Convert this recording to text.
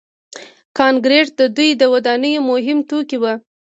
کانکریټ د دوی د ودانیو مهم توکي وو.